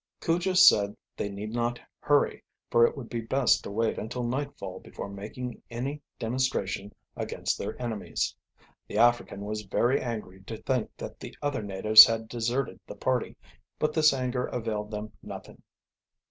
Cujo said they need not hurry, for it would be best to wait until nightfall before making any demonstration against their enemies. The African was very angry to think that the other natives had deserted the party, but this anger availed them nothing.